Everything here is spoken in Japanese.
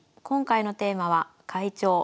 今回のテーマは「快調！